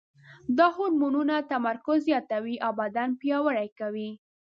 دا هورمونونه تمرکز زیاتوي او بدن پیاوړی کوي.